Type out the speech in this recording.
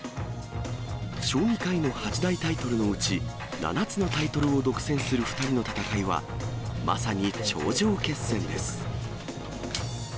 将棋界の八大タイトルのうち、７つのタイトルを独占する２人の戦いは、まさに頂上決戦です。